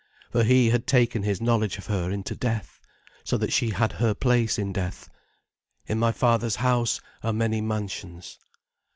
For he had taken his knowledge of her into death, so that she had her place in death. "In my father's house are many mansions."